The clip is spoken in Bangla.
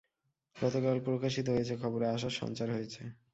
গতকাল প্রকাশিত একটা খবরে আশার সঞ্চার হয়েছে।